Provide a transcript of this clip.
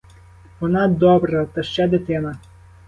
Вона добра, та ще дитина.